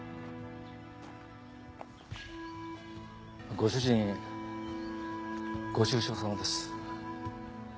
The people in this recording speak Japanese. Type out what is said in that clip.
ご主人ご愁傷さまです。